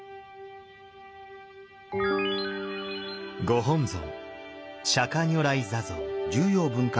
ご本尊